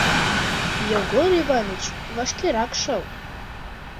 Йогор Иваныч, вашкерак шыл.